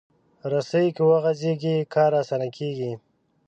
رسۍ که وغځېږي، کار اسانه کېږي.